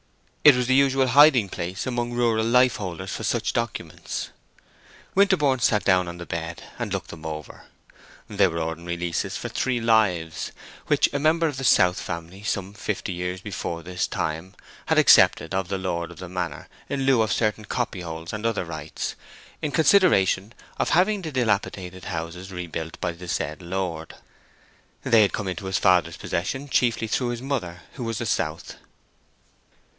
It was the usual hiding place among rural lifeholders for such documents. Winterborne sat down on the bed and looked them over. They were ordinary leases for three lives, which a member of the South family, some fifty years before this time, had accepted of the lord of the manor in lieu of certain copyholds and other rights, in consideration of having the dilapidated houses rebuilt by said lord. They had come into his father's possession chiefly through his mother, who was a South.